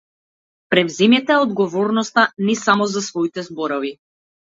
Преземете ја одговорноста не само за своите зборови.